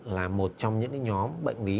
là một trong những nhóm bệnh lý